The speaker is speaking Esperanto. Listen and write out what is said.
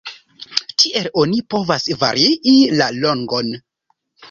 Tiel oni povas varii la longon.